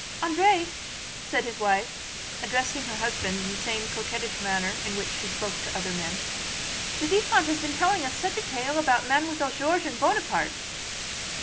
"André," said his wife, addressing her husband in the same coquettish manner in which she spoke to other men, "the vicomte has been telling us such a tale about Mademoiselle George and Buonaparte!"